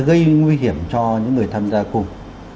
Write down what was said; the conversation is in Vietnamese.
gây nguy hiểm cho những người tham gia cùng